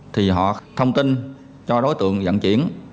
thì họ thông tin cho đối tượng dặn chuyển